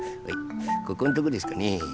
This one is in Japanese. ここんとこですかね？